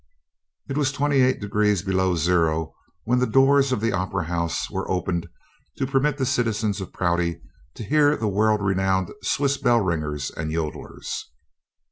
It was twenty eight degrees below zero when the doors of the Opera House were opened to permit the citizens of Prouty to hear the World Renowned Swiss Bell Ringers and Yodlers.